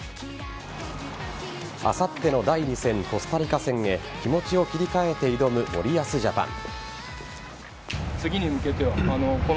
あさっての第２戦コスタリカ戦へ気持ちを切り替えて挑む森保ジャパン。